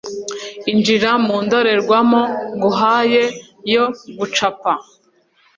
Injira mu ndorerwamo nguhaye yo gucapa